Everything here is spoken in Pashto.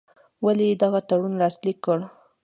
ولي یې دغه تړون لاسلیک کړ.